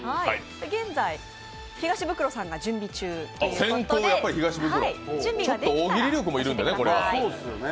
現在、東ブクロさんが準備中ということで、先攻は東ブクロ、大喜利力も要るんでね、これは。